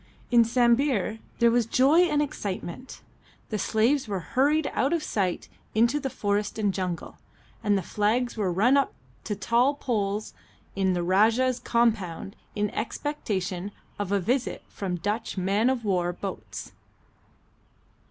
In Sambir there was joy and excitement. The slaves were hurried out of sight into the forest and jungle, and the flags were run up to tall poles in the Rajah's compound in expectation of a visit from Dutch man of war boats.